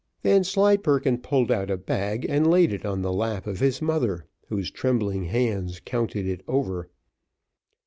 Vanslyperken pulled out a bag and laid it on the lap of his mother, whose trembling hands counted it over.